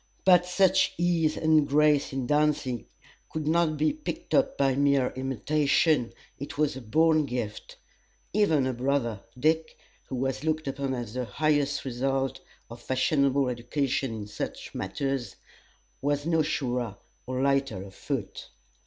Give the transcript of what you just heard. But such ease and grace in dancing could not be picked up by mere imitation it was a born gift. Even her brother Dick, who was looked upon as the highest result of fashionable education in such matters, was not surer or lighter of foot.